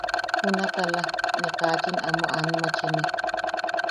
Junak ala, ne kachin ama anmachine.